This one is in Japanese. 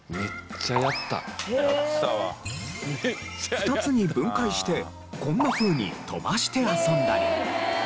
２つに分解してこんなふうに飛ばして遊んだり。